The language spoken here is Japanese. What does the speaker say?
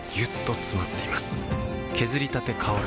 削りたて香る